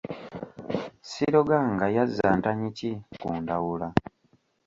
Siroganga yazza ntanyi ki ku Ndawula?